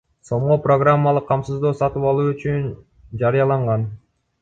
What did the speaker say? сомго программалык камсыздоо сатып алуу үчүн жарыяланган.